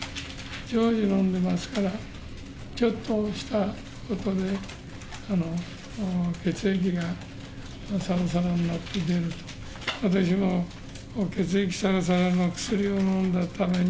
常時飲んでますから、ちょっとしたことで血液がさらさらになって出る、私も血液さらさらの薬を飲んだために、